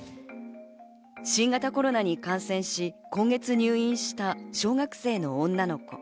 新型コロナに感染し、今月入院した小学生の女の子。